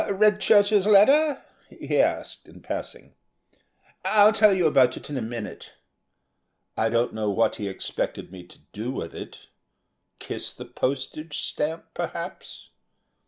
"Read Churchill's letter?" he asked, in passing. "I'll tell you all about it in a minute." I don't know what he expected me to do with it kiss the postage stamp, perhaps.